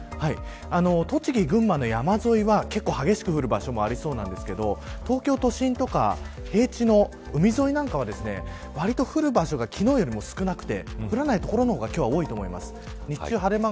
栃木、群馬の山沿いは、結構激しく降る所もありそうですが東京都心とか平地の海沿いなんかは割と降る場所が昨日よりも少なくて降らない所の方が今日は多いと思います。